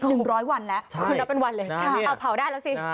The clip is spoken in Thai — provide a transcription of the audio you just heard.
ขึ้นแล้วเป็นวันเลยเอาเผาได้แล้วสิ